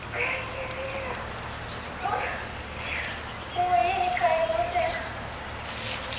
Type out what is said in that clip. もう家に帰れません。